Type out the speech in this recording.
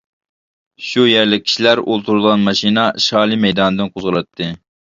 شۇ يەرلىك كىشىلەر ئولتۇرىدىغان ماشىنا شالى مەيدانىدىن قوزغىلاتتى.